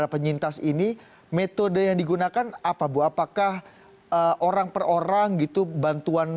psikologi adalah bisa